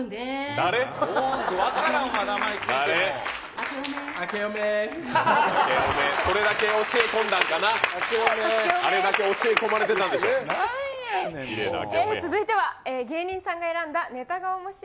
あれだけ教え込まれてたんでしょ。